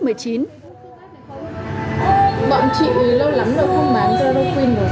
bọn chị lâu lắm rồi không bán doroquin rồi